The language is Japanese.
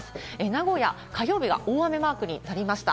名古屋、火曜日が大雨マークになりました。